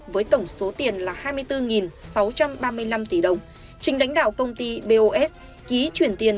với tổng số tiền là hai mươi bốn sáu trăm ba mươi năm tỷ đồng trình đánh đạo công ty bos ký chuyển tiền